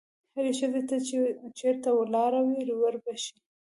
هرې ښځې ته چې چېرته ولاړه وي وربښې.